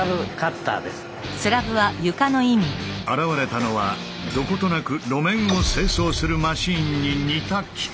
現れたのはどことなく路面を清掃するマシーンに似た機械。